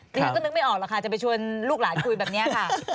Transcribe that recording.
ดิฉันก็นึกไม่ออกหรอกค่ะจะไปชวนลูกหลานคุยแบบนี้ค่ะ